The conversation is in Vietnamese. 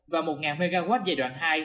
và một mw giai đoạn hai